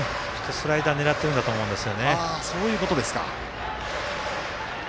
スライダー狙っているかと思います。